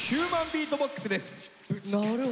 なるほど！